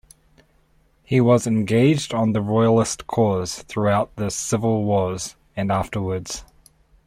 He was engaged on the Royalists' cause throughout the Civil Wars and afterwards.